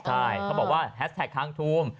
ใช่เขาบอกว่าแฮสแท็กค้างทูม